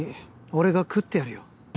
俺が喰ってやるよ